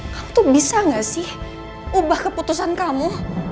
kamu tuh bisa nggak sih ubah keputusan kamu